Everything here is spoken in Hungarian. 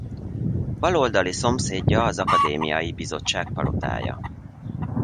Bal oldali szomszédja az Akadémiai Bizottság palotája.